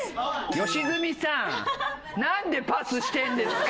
良純さんなんでパスしてんですか？